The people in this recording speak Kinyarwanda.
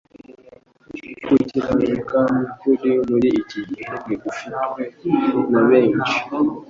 Ugukiranuka nyakuri muri iki gihe ntigufitwe na benshi ;